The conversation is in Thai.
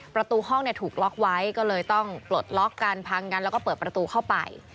ประตูห้องถูกล็อกไว้ก็เลยต้องปลดล็อกกันพังกันแล้วก็เปิดประตูเข้าไป